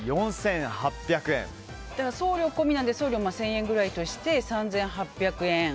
送料込みなんで送料１０００円ぐらいとして３８００円。